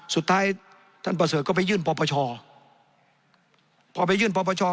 สุดท้ายท่านประเสริฐก็ไปยื่นปปชพอไปยื่นปปช